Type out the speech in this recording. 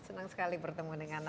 senang sekali bertemu dengan